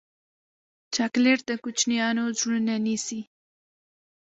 چاکلېټ د کوچنیانو زړونه نیسي.